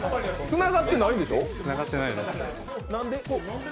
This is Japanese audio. つながってないです。